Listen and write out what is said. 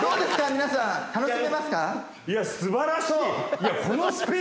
皆さん楽しめますか？